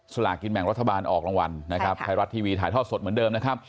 ลากินแบ่งรัฐบาลออกรางวัลนะครับไทยรัฐทีวีถ่ายทอดสดเหมือนเดิมนะครับ